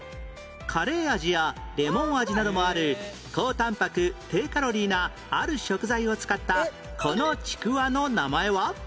カレー味やレモン味などもある高たんぱく低カロリーなある食材を使ったこのちくわの名前は？